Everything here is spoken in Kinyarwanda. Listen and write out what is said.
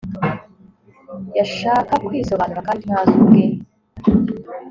yashaka kwisobanura kandi ntazi ubwe